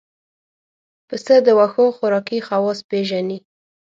پسه د واښو خوراکي خواص پېژني.